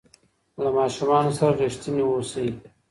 له ماشومانو سره رښتیني اوسئ.